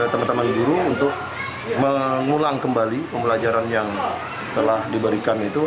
teman teman guru untuk mengulang kembali pembelajaran yang telah diberikan itu